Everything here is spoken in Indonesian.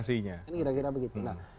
ini kira kira begitu